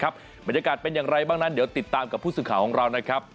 บรรยากาศเป็นอย่างไรบ้างนั้นเดี๋ยวติดตามกับผู้สื่อข่าวของเรานะครับ